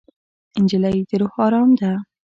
نجلۍ د روح ارام ده.